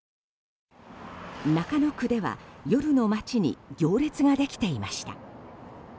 中野区では夜の街に行列ができていました。